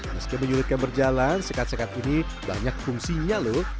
meski menyulitkan berjalan sekat sekat ini banyak fungsinya lho